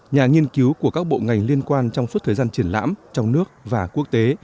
nhà nghiên cứu của các bộ ngành liên quan trong suốt thời gian triển lãm trong nước và quốc tế